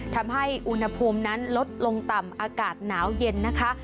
ทำให้อุณหภูมินั้นลดลงต่ำอากาศหนาวเย็นนะคะ